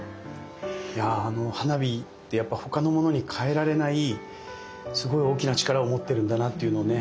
花火ってやっぱ他のものにかえられないすごい大きな力を持ってるんだなっていうのをね